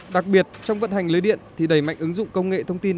đặc biệt trong vận hành lưới điện thì đầy mạnh ứng dụng công nghệ thông tin